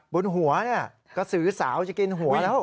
บนหัวกระสือสาวจะกินหัวแล้ว